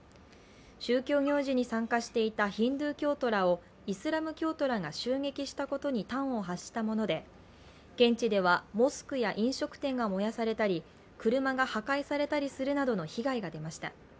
宗教行事に参加していたヒンズー教徒らをイスラム教徒らが襲撃したことに端を発したもので、現地ではモスクや飲食店が燃やされたり車が破壊されたりするなどの被害が出ました。